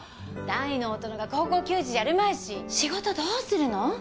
大の大人が高校球児じゃあるまいし仕事どうするの？